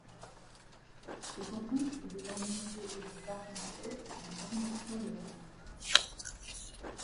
Ce canton était organisé autour d'Argentré dans l'arrondissement de Laval.